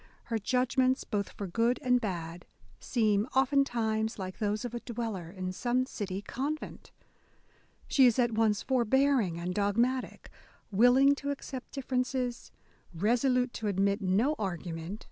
...Her judgments, both for good and bad, seem oftentimes like those of a dweller in some city convent .... She is at once forbear ing and dogmatic ; willing to accept differences, resolute to admit no argument